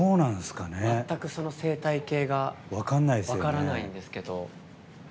全く生態系が分からないんですけど。